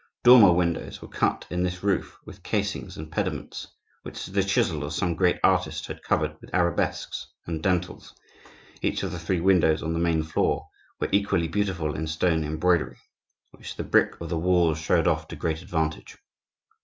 Dormer windows were cut in this roof, with casings and pediments which the chisel of some great artist had covered with arabesques and dentils; each of the three windows on the main floor were equally beautiful in stone embroidery, which the brick of the walls showed off to great advantage.